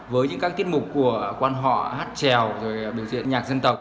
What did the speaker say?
với những các tiết mục của quan họ hát trèo rồi biểu diễn nhạc dân tộc